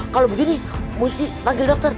kalau begini mesti panggil dokter